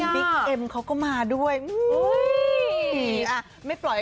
บิ๊กเอมเค้าก็มาด้วย